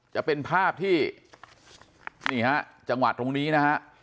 จะเป็นภาพที่นี่ฮะจังหวะตรงนี้นะฮะ